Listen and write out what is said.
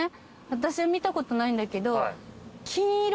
私は見たことないんだけど。